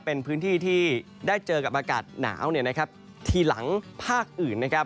เป็นพื้นที่ที่ได้เจอกับอากาศหนาวทีหลังภาคอื่นนะครับ